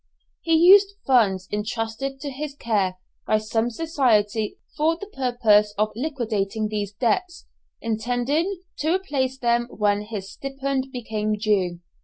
He used funds entrusted to his care by some society for the purpose of liquidating these debts, intending to replace them when his stipend became due.